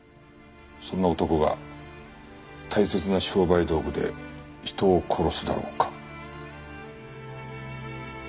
そんな男が大切な商売道具で人を殺すだろうか。